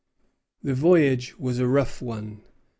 The voyage was a rough one.